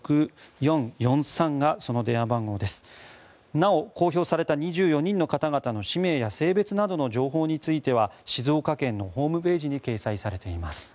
なお、公表された２４人の方々の氏名や性別などの情報については静岡県のホームページに掲載されています。